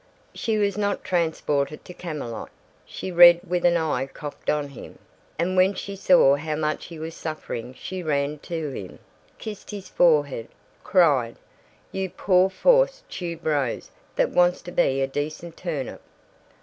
She was not transported to Camelot. She read with an eye cocked on him, and when she saw how much he was suffering she ran to him, kissed his forehead, cried, "You poor forced tube rose that wants to be a decent turnip!"